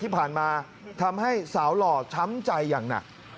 ที่ผ่านมาทำให้สาวหล่อช้ำใจอย่างหนัก